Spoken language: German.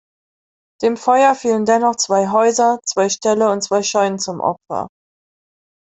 Dem Feuer fielen dennoch zwei Häuser, zwei Ställe und zwei Scheunen zum Opfer.